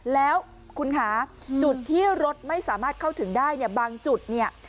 แล้วคุณคะจุดที่รถไม่สามารถเข้าถึงได้เนี่ยบางจุดเนี่ย